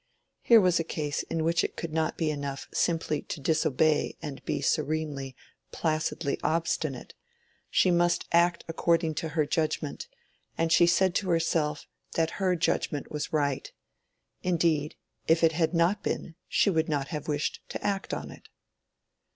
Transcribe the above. Here was a case in which it could not be enough simply to disobey and be serenely, placidly obstinate: she must act according to her judgment, and she said to herself that her judgment was right—"indeed, if it had not been, she would not have wished to act on it."